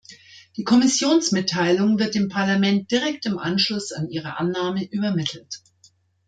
Die Kommissionsmitteilung wird dem Parlament direkt im Anschluss an ihre Annahme übermittelt.